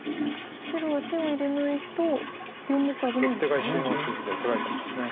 白は手を入れないと４目危ないんですか？